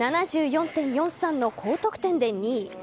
７４．７３の高得点で２位。